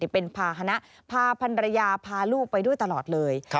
ที่เป็นพาพันรยาพาลูกไปด้วยตลอดเลย